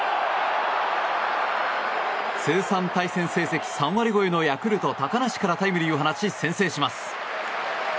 通算対戦成績３割超えのヤクルト、高梨からタイムリーを放ち、先制します。